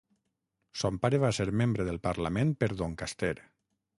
Son pare va ser membre del parlament per Doncaster.